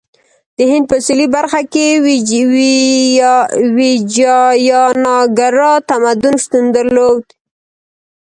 د هند په سویلي برخه کې ویجایاناګرا تمدن شتون درلود.